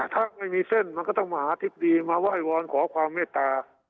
ถ้าไม่มีเส้นมันก็ต้องมหาธิบดีมาไหว้วอนขอความเมตตา